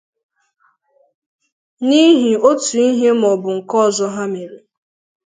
n'ihi otu ihe maọbụ nke ọzọ ha mere.